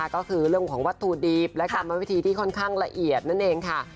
ก็คือเรื่องของวัตถุดิบและกรรมวิธีที่ค่อนข้างละเอียดนั่นเองค่ะ